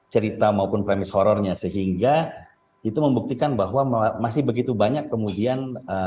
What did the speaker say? cerita maupun premis horrornya sehingga itu membuktikan bahwa masih begitu banyak kemudian